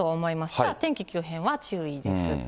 ただ天気急変は注意です。